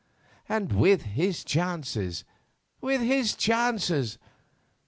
And with his chances—with his chances!